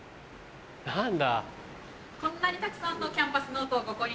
何だ？